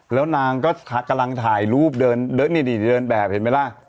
แล้วนางก็กำลังถ่ายรูปเดินนี่เดินแบบเห็นไหมล่ะ